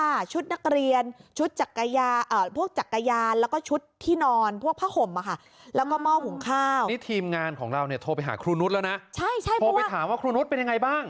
อันนี้ทีมงานของเราเนี่ยโทรไปหาครูนุษย์แล้วนะใช่ใช่โทรไปถามว่าครูนุษย์เป็นยังไงบ้าง